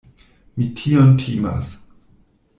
Mi tion timas.